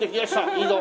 いいぞ！